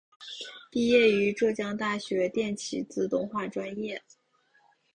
毕业于浙江大学电气自动化专业。